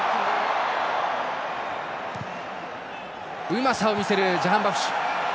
うまさを見せるジャハンバフシュ。